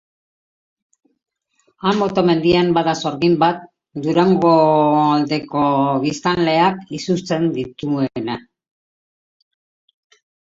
Anboto mendian bada sorgin bat, Durangaldeko biztanleak izutzen dituena.